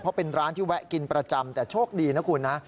เพราะเป็นร้านที่แวะกินประจำแต่โชคดีนะคุณนะ